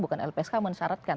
bukan lpsk mensyaratkan